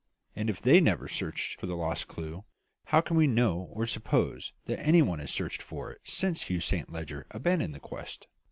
And if they never searched for the lost clue, how can we know or suppose that any one has searched for it since Hugh Saint Leger abandoned the quest?